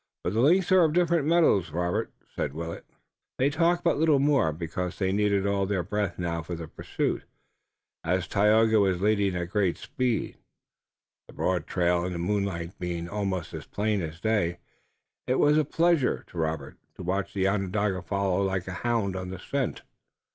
"But the links are of different metals, Robert," said Willet. They talked but little more, because they needed all their breath now for the pursuit, as Tayoga was leading at great speed, the broad trail in the moonlight being almost as plain as day. It was a pleasure to Robert to watch the Onondaga following like a hound on the scent.